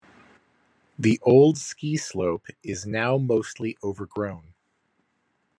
The old ski slope is now mostly overgrown.